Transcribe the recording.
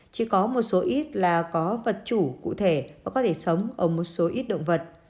chỉ có một số ít là có vật chủ cụ thể và có thể sống ở một số ít động vật